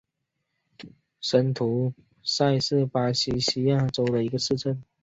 森图塞是巴西巴伊亚州的一个市镇。